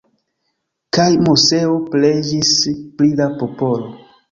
Kaj Moseo preĝis pri la popolo.